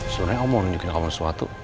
sebenernya aku mau nemenin kamu ke kamar sesuatu